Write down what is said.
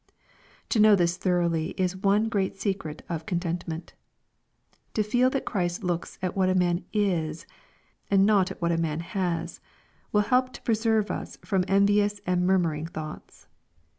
To know this thoroughly is one great secret of content* ment. To feel that Christ looks at^what a man is, and not at what a man has, will help to preserve us from en vious and murmuring thoughts.